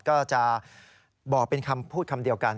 ก็จะบอกเป็นคำพูดคำเดียวกัน